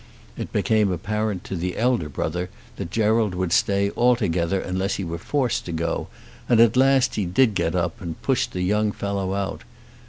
It became apparent to the elder brother that Gerald would stay altogether unless he were forced to go, and at last he did get up and pushed the young fellow out.